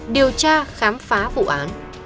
điều tra khám phá vụ án